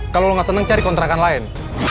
kalau lo gak senang cari kontrakan lain